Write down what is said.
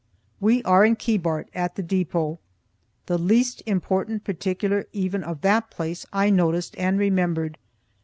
We are in Keebart, at the depot. The least important particular even of that place, I noticed and remembered.